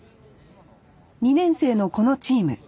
２年生のこのチーム。